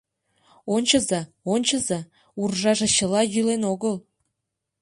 — Ончыза, ончыза, уржаже чыла йӱлен огыл.